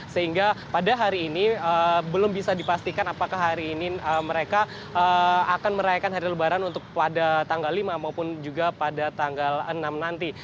sehingga pada hari ini belum bisa dipastikan apakah hari ini mereka akan merayakan hari lebaran untuk pada tanggal lima maupun juga pada tanggal enam nanti